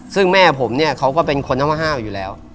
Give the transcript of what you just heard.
ซึ่งแม่ผมเนี่ยเขาก็เป็นคนน้ำมะห้าวอยู่แล้ว